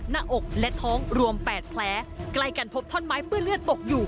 หน้าอกและท้องรวม๘แผลใกล้กันพบท่อนไม้เปื้อเลือดตกอยู่